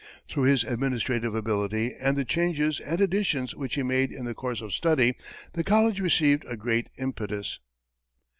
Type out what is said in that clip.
Through his administrative ability and the changes and additions which he made in the course of study, the college received a great impetus.